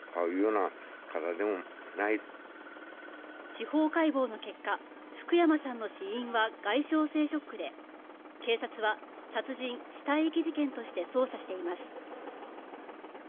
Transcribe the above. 司法解剖の結果福山さんの死因は外傷性ショックで警察は殺人・死体遺棄事件として捜査しています。